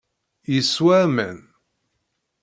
Yeswa aman.